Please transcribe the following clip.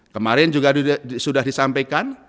kemarin juga sudah disampaikan